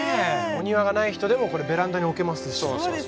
お庭がない人でもこれベランダに置けますし。